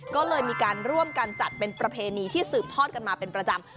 ก็เลยมีการร่วมกันจัดเป็นประเพณีที่สืบทอดกันมาเป็นประจำ